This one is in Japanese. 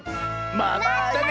まったね！